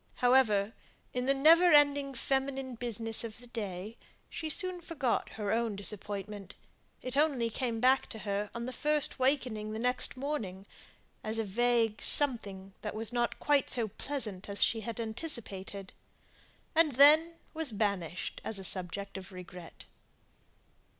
However, in the never ending feminine business of the day, she soon forgot her own disappointment; it only came back to her on first wakening the next morning, as a vague something that was not quite so pleasant as she had anticipated, and then was banished as a subject of regret.